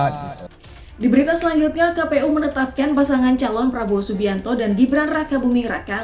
di berita selanjutnya kpu menetapkan pasangan calon prabowo subianto dan gibran raka buming raka